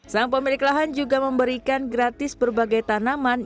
sang pemilik lahan juga memberikan gratis berbagai tanaman